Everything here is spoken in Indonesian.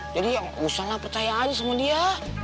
jadi ya gak usah lah percaya aja sama dia